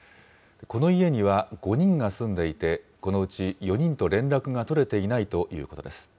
この家には５人が住んでいて、このうち４人と連絡が取れていないということです。